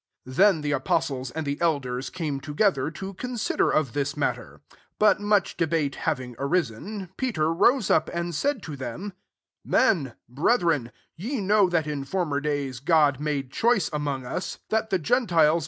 6 Then the apostles and the elders came together, to consi der of this matter. 7 But much debate having arisen, Peter rose up, and said to them, " Men, brethren, ye know that in former days God made choice among us, tliat the gen • ITie gentiles.